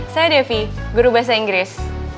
saya devi guru bahasa inggris